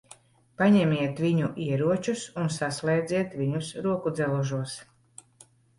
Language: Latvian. Paņemiet viņu ieročus un saslēdziet viņus rokudzelžos.